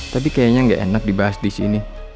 tapi kayaknya gak enak dibahas disini